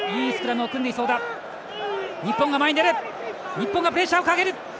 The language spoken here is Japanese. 日本がプレッシャーをかける。